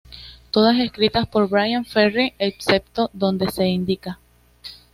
Todas escritas por Bryan Ferry excepto donde se indica.